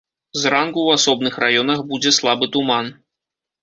Зранку ў асобных раёнах будзе слабы туман.